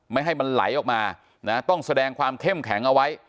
ไม่ให้มันไหลออกมานะต้องแสดงความเข้มแข็งเอาไว้